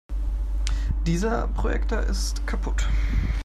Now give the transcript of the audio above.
Dieser Projektor ist kaputt.